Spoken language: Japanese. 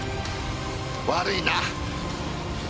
悪いな。